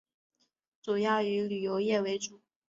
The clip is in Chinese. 主要以旅游业为主。